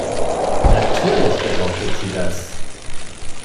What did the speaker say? Natürlich behauptet sie das.